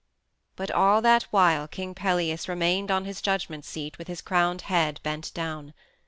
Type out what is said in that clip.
But all that while King Pelias remained on his judgment seat with his crowned head bent down.